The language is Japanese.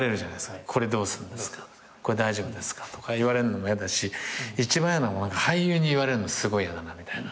これどうすんですかこれは大丈夫ですかとか言われるのも嫌だし一番嫌なのが俳優に言われるのすごい嫌だなみたいな。